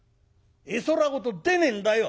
絵空事出ねえんだよ！」。